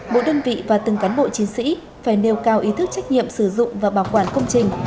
mỗi đơn vị và từng cán bộ chiến sĩ phải nêu cao ý thức trách nhiệm sử dụng và bảo quản công trình